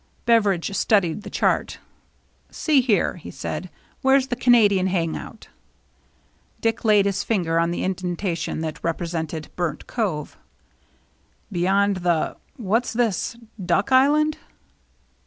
Beveridge studied the chart "See here," he said, "where's the Canadian hangout ?" Dick laid his finger on the indentation that represented Burnt Cove. " Beyond the — what's this — Duck Island